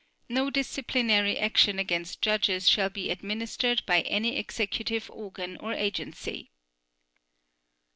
No disciplinary action against judges shall be administered by any executive organ or agency.